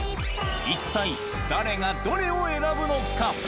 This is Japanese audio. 一体、誰がどれを選ぶのか。